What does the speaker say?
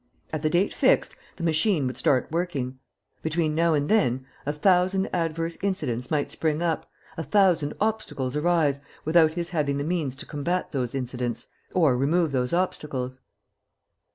At the date fixed, the machine would start working. Between now and then, a thousand adverse incidents might spring up, a thousand obstacles arise, without his having the means to combat those incidents or remove those obstacles.